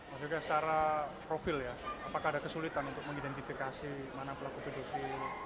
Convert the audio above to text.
mas yogyak secara profil ya apakah ada kesulitan untuk mengidentifikasi mana pelaku pedofil